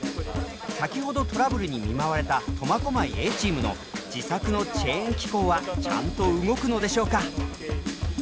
先ほどトラブルに見舞われた苫小牧Ａチームの自作のチェーン機構はちゃんと動くのでしょうか？